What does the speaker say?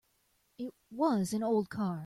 It was an old car.